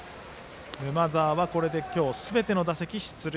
沼澤はこれで今日すべての打席で出塁。